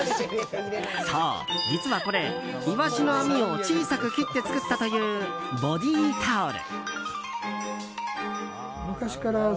そう、実はこれイワシの網を小さく切って作ったというボディータオル。